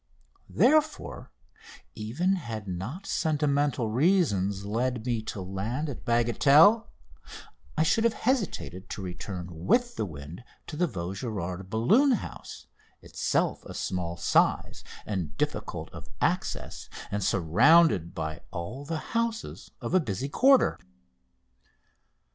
Therefore, even had not sentimental reasons led me to land at Bagatelle, I should have hesitated to return with the wind to the Vaugirard balloon house itself of small size, and difficult of access, and surrounded by all the houses of a busy quarter.